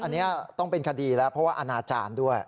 อันนี้ต้องเป็นคดีแล้วเพราะว่าอนาจารย์ด้วย